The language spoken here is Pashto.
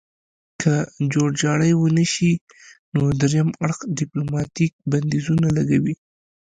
که جوړجاړی ونشي نو دریم اړخ ډیپلوماتیک بندیزونه لګوي